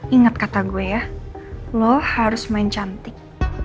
ingat kata gue ya lo harus main cantik